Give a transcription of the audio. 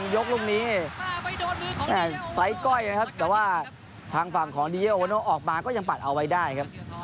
ยกลูกนี้ไซส์ก้อยนะครับแต่ว่าทางฝั่งของดีเอโอโน่ออกมาก็ยังปัดเอาไว้ได้ครับ